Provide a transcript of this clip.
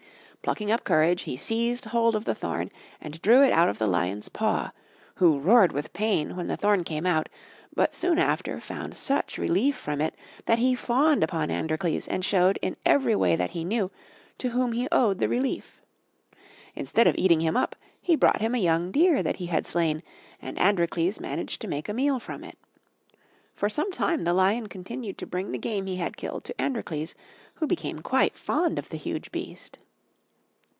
Plucking up courage he seized hold of the thorn and drew it out of the lion's paw, who roared with pain when the thorn came out, but soon after found such relief from it that he fawned upon Androcles and showed, in every way that he knew, to whom he owed the relief. Instead of eating him up he brought him a young deer that he had slain, and Androcles managed to make a meal from it. For some time the lion continued to bring the game he had killed to Androcles, who became quite fond of the huge beast.